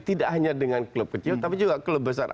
tidak hanya dengan klub kecil tapi juga klub besar